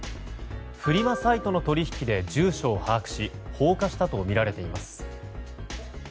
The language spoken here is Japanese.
フリマサイトの取引で住所を把握し放火したとみられています。